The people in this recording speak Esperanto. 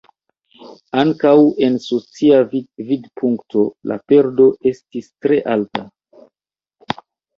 Ankaŭ el socia vidpunkto la perdo estis tre alta.